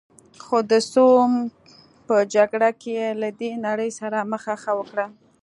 خو د سوم په جګړه کې یې له دې نړۍ سره مخه ښه وکړه.